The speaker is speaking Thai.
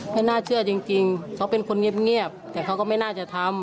ไม่น่าเชื่อจริงเขาเป็นคนเงียบแต่เขาก็ไม่น่าจะทำ